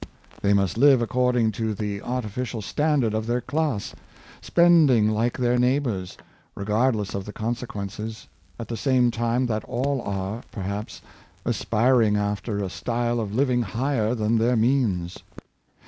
They must live according to the artificial standard of their class, spending like their neighbors, regardless of the consequences, at the same time that all are, perhaps, aspiring after a style of living higher than their means.